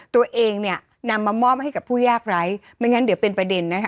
ตัวเองเนี่ยนำมามอบให้กับผู้ยากไร้ไม่งั้นเดี๋ยวเป็นประเด็นนะคะ